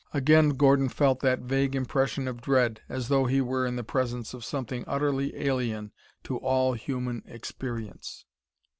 Again Gordon felt that vague impression of dread, as though he were in the presence of something utterly alien to all human experience.